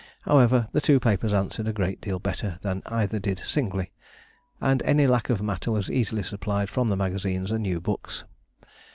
However, the two papers answered a great deal better than either did singly, and any lack of matter was easily supplied from the magazines and new books.